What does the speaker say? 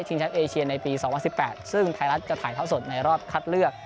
แชมป์เอเชียในปี๒๐๑๘ซึ่งไทยรัฐจะถ่ายเท่าสดในรอบคัดเลือก